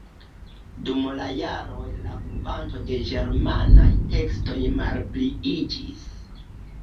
Dum la jaroj la kvanto de germanaj tekstoj malpliiĝis.